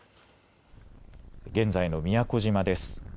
現在の宮古島です。